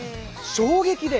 衝撃で。